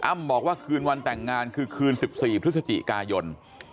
บอกว่าคืนวันแต่งงานคือคืน๑๔พฤศจิกายน